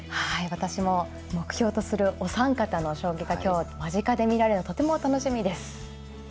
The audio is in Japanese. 私も目標とするお三方の将棋が今日間近で見られるのとても楽しみです。